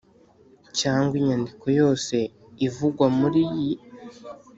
cyangwa inyandiko yose ivugwa muri iyi